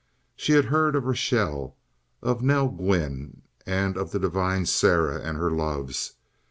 She had heard of Rachel, of Nell Gwynne, of the divine Sarah and her loves.